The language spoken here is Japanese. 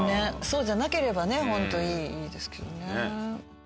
そうじゃなければねホントいいですけどね。